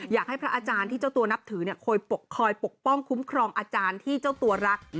อยากให้พระอาจารย์ที่เจ้าตัวนับถือคอยปกป้องคุ้มครองอาจารย์ที่เจ้าตัวรัก